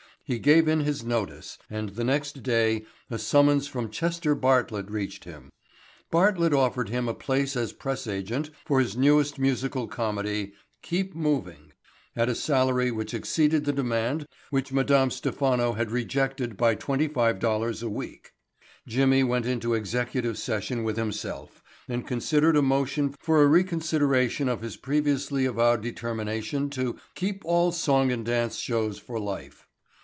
He gave in his notice and the next day a summons from Chester Bartlett reached him. Bartlett offered him a place as press agent for his newest musical comedy, "Keep Moving" at a salary which exceeded the demand which Madame Stephano had rejected by twenty five dollars a week. Jimmy went into executive session with himself and considered a motion for a reconsideration of his previously avowed determination to "keep all song and dance shows for life."